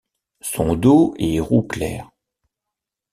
Son dos est roux clair.